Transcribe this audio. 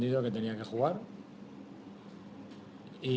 kami memahami bahwa dia harus bermain